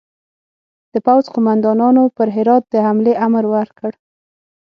د پوځ قوماندانانو پر هرات د حملې امر ورکړ.